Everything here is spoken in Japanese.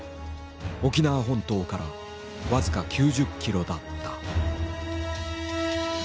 沖縄本島から僅か９０キロだった。